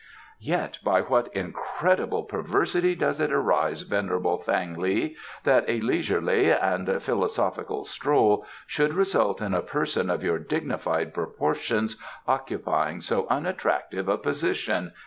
"Yet by what incredible perversity does it arise, venerable Thang li, that a leisurely and philosophical stroll should result in a person of your dignified proportions occupying so unattractive a position?"